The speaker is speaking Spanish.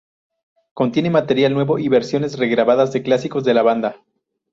Contiene material nuevo y versiones regrabadas de clásicos de la banda.